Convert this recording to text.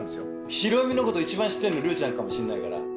ヒロミのこと、一番知ってるの竜ちゃんかもしんないから。